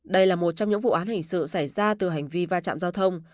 đây là một trong những vụ án hình sự xảy ra từ hành vi va chạm giao thông